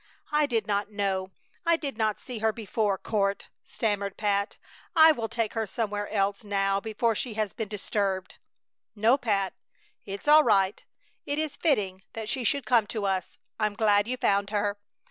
"I did not know! I did not see her before, Court!" stammered Pat. "I will take her somewhere else now before she has been disturbed." "No, Pat, it's all right! It is fitting that she should come to us. I'm glad you found her.